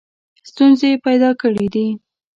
ستونزې پیدا کړي دي.